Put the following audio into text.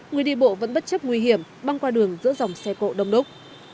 người đi bộ vẫn bất chấp nguy hiểm băng qua đường giữa dòng xe cộ đông đúc